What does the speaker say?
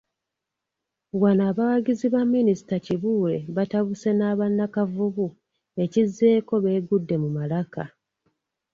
Wano abawagizi ba Minisita Kibuule batabuse n'aba Nakavubu ekizzeeko beegudde mu malaka.